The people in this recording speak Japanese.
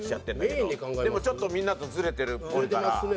でもちょっとみんなとズレてるっぽいから。